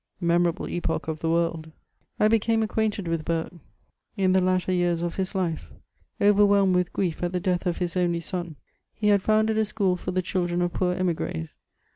MemoraMe epoch of the worid 1 I became acqnunted with Burke in iiae latter years of las Bfe ; overwhehned with grief at the death o£ hie onl j son, he had founded a sduxd £or the duldren of poor emigres.